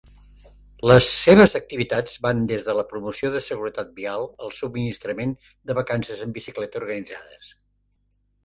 Les seves activitats van des de la promoció de seguretat vial al subministrament de vacances en bicicleta organitzades.